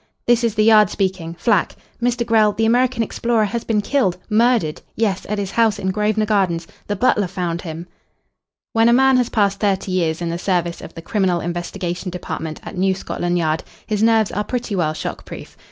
"This is the Yard speaking Flack. Mr. Grell, the American explorer, has been killed murdered ... yes ... at his house in Grosvenor Gardens. The butler found him...." When a man has passed thirty years in the service of the Criminal Investigation Department at New Scotland Yard his nerves are pretty well shock proof.